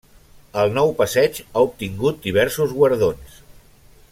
El nou passeig ha obtingut diversos guardons.